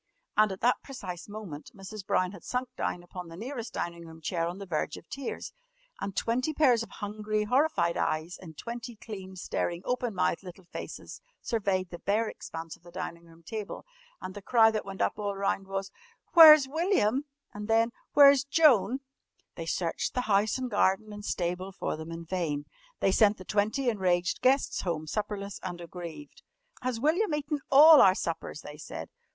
And at that precise moment Mrs. Brown had sunk down upon the nearest dining room chair on the verge of tears, and twenty pairs of hungry horrified eyes in twenty clean, staring, open mouthed little faces surveyed the bare expanse of the dining room table. And the cry that went up all round was: "Where's William?" And then: "Where's Joan?" They searched the house and garden and stable for them in vain. They sent the twenty enraged guests home supperless and aggrieved. "Has William eaten all our suppers?" they said.